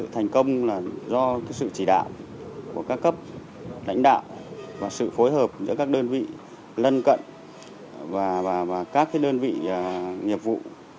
thành công là do sự chỉ đạo của các cấp lãnh đạo và sự phối hợp giữa các đơn vị lân cận và các đơn vị nghiệp vụ